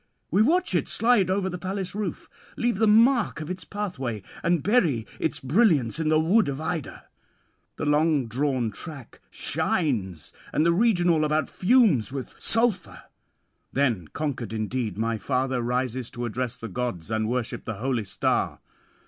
We watch it slide over the palace roof, leaving [696 730]the mark of its pathway, and bury its brilliance in the wood of Ida; the long drawn track shines, and the region all about fumes with sulphur. Then conquered indeed my father rises to address the gods and worship the holy star.